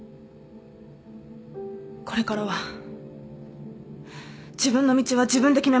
これからは自分の道は自分で決めます。